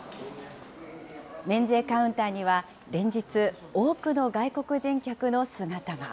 免税カウンターには連日、多くの外国人客の姿が。